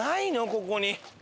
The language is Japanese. ここに。